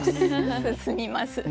進みます。